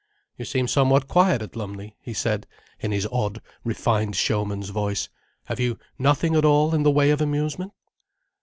"You seem somewhat quiet at Lumley," he said, in his odd, refined showman's voice. "Have you nothing at all in the way of amusement?"